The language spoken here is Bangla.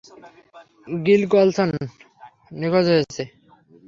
গিল কলসন নিখোঁজ হয়েছে।